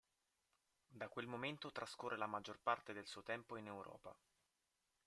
Da quel momento trascorre la maggior parte del suo tempo in Europa.